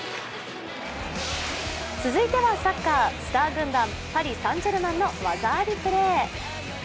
続いてはサッカースター軍団、パリ・サン＝ジェルマンの技ありプレー。